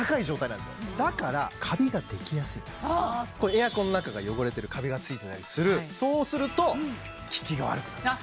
エアコンの中が汚れてるカビが付いてたりするそうすると効きが悪くなる。